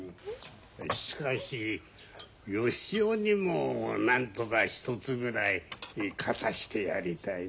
しかし芳夫にもなんとか１つぐらい勝たしてやりたいなあ。